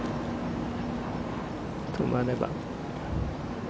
止まれば。